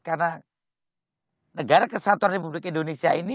karena negara kesatuan dan publik indonesia ini